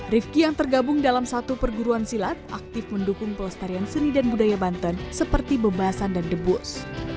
rifki yang tergabung dalam satu perguruan silat aktif mendukung pelestarian seni dan budaya banten seperti bebasan dan debus